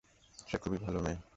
সে খুবই ভালো মেয়ে।